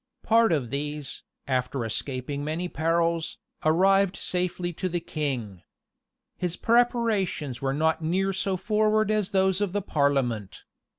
Part of these, after escaping many perils, arrived safely to the king. His preparations were not near so forward as those of the parliament.